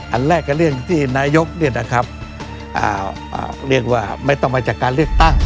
อันแรกก็เรื่องที่นายกเรียกว่าไม่ต้องมาจากการเลือกตั้ง